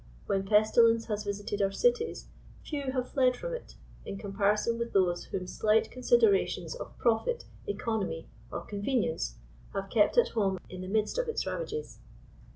When pestilence has visited our cities, few have fled from it, in comparison with those whom slight considerations of pro 39 fit, economy or convenience have kept at home in the midst of its ravages.